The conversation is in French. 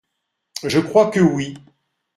Je crois que oui !